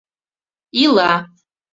Ила.